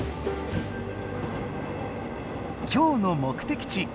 今日の目的地